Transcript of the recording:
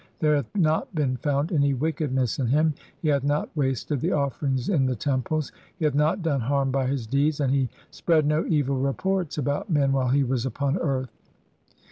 There hath "not been found any wickedness in him ; he hath not "wasted the offerings in the temples ; he hath not "done harm by his deeds ; and he spread no evil "reports [about men] while he was upon earth."